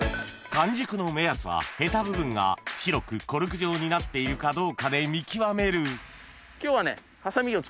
完熟の目安はヘタ部分が白くコルク状になっているかどうかで見極める今日はね。